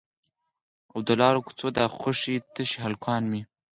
او د لارو کوڅو دا خوشي تشي هلکان مې